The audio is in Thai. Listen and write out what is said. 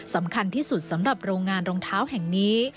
สำคัญที่สุดสำหรับโรงงานรองเท้าแห่งนี้